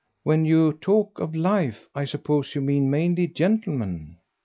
When you talk of 'life' I suppose you mean mainly gentlemen."